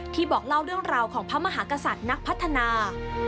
บอกเล่าเรื่องราวของพระมหากษัตริย์นักพัฒนา